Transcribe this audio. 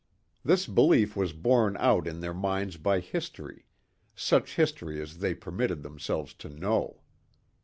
This belief was borne out in their minds by history such history as they permitted themselves to know.